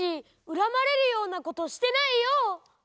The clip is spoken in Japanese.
恨まれるようなことしてないよ！